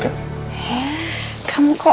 kamu kok kayak anak mama yang gak pede aja